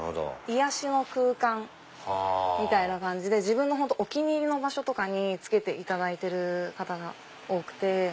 癒やしの空間みたいな感じで自分のお気に入りの場所とかにつけていただいてる方が多くて。